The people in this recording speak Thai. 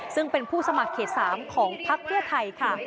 ซึ่งเป็นผู้สมัครเขต๓ของพักเพื่อไทยค่ะ